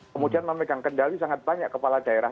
kemudian memegang kendali sangat banyak kepala daerah